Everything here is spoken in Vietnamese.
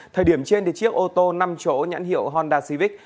thời điểm trên thì chiếc ô tô năm chỗ nhãn hiệu honda civic